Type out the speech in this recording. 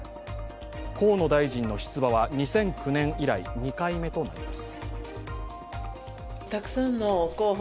河野氏の出馬は２００９年以来２回目となります。